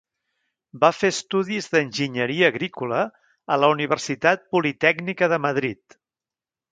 Va fer estudis d'Enginyeria Agrícola a la Universitat Politècnica de Madrid.